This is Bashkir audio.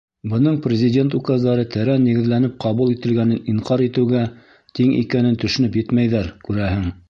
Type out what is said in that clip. Бының Президент указдары тәрән нигеҙләнеп ҡабул ителгәнен инҡар итеүгә тиң икәнен төшөнөп етмәйҙәр, күрәһең.